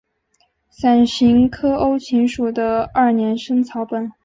伞形科欧芹属的二年生草本。